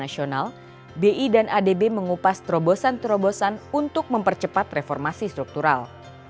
di dan adb mengupas terobosan terobosan untuk mempercepat reformasi struktural